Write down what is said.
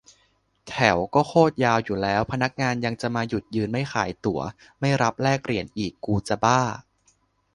แถวก็โคตรยาวอยู่แล้ว พนักงานยังจะมาหยุดยืนไม่ขายตั๋ว-ไม่รับแลกเหรียญอีก กูจะบ้า